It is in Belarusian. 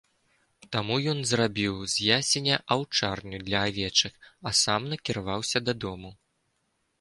Таму ён зрабіў з ясеня аўчарню для авечак, а сам накіраваўся дадому.